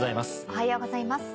おはようございます。